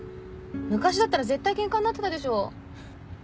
昔だったら絶対ケンカになってたでしょ。